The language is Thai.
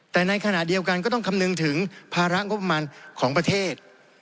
แต่ในขณะเดียวกันก็ต้องคำนึงถึงภาระงบประมาณของประเทศ